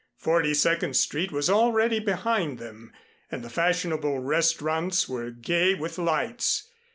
Forty second Street was already behind them, and the fashionable restaurants were gay with lights.